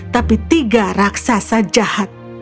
tapi tiga raksasa jahat